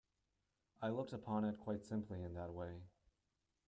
I looked upon it quite simply in that way.